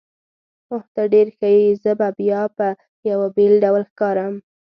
اوه، ته ډېر ښه یې، زه به بیا په یوه بېل ډول ښکارم.